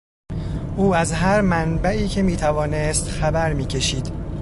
او از هر منبعی که میتوانست خبر میکشید.